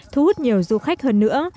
thu hút nhiều du khách hơn nữa